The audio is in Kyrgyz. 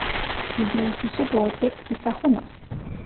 Түзүүчүсү — Болотбек Исахунов.